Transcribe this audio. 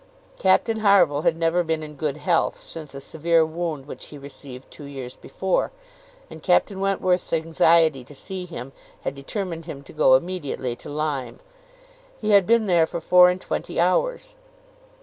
Captain Harville had never been in good health since a severe wound which he received two years before, and Captain Wentworth's anxiety to see him had determined him to go immediately to Lyme. He had been there for four and twenty hours.